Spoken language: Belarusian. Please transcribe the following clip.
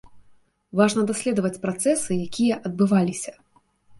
Важна даследаваць працэсы, якія адбываліся.